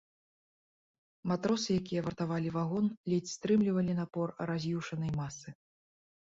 Матросы, якія вартавалі вагон, ледзь стрымлівалі напор раз'юшанай масы.